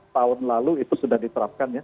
tahun lalu itu sudah diterapkan ya